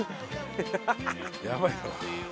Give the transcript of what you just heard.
やばいよ。